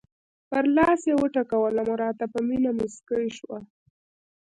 پر لاس یې وټکولم او راته په مینه مسکی شول.